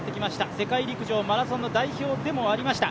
世界陸上マラソンの代表でもありました。